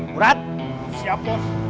murad siap bos